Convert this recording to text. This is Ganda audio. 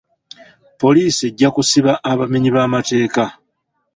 Poliisi ejja kusiba abamenyi b'amateeka.